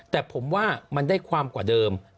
แต่ผมว่ามันได้ความกว่าเดิม